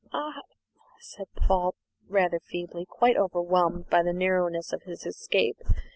"Ah!" said Paul rather feebly, quite overwhelmed by the narrowness of his escape.